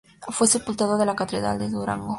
Fue sepultado en la Catedral de Durango.